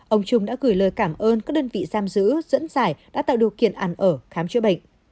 ông trung đã gửi lời cảm ơn các đơn vị giam giữ dẫn giải đã tạo điều kiện ăn ở khám chữa bệnh